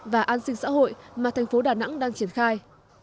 và an sinh xã hội mà thành phố đà nẵng đang triển khai